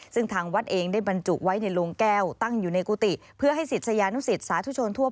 ซึ่งทางวัดเองได้บรรจุไว้ในโรงแก้ว